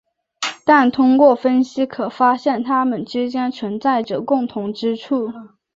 但通过分析可发现它们之间存在着共同之处。